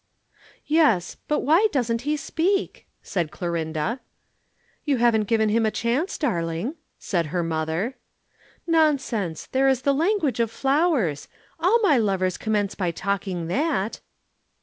"Yes, but why doesn't he speak?" said Clorinda. "You haven't given him a chance, darling," said her mother. "Nonsense there is the language of flowers. All my lovers commence by talking that."